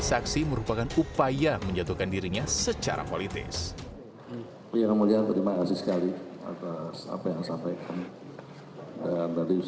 jaksa menemukan kode sm dan o yang dikonfirmasi anang sebagai setia novanto dan oka